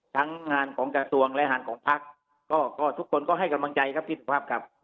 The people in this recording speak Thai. ทั้งงานของกระทรวงและงานของพักก็ทุกคนก็ให้กำลังใจครับพี่สุภาพครับ